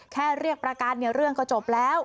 แค่เรียกประกันเรื่องก็จบแล้ว